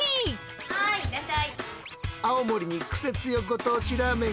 はいいらっしゃい。